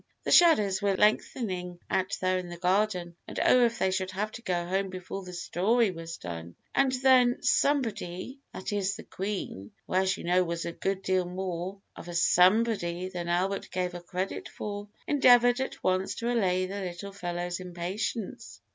The shadows were lengthening out there in the garden, and oh if they should have to go home before the story was done! And then "somebody" that is, the Queen (who, as you know, was a good deal more of a somebody than Albert gave her credit for) endeavored at once to allay the little fellow's impatience.